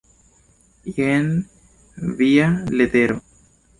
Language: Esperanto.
Jen via letero.